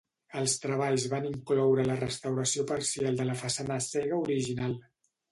Els treballs van incloure la restauració parcial de la façana cega original.